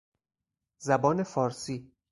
زبان فارسی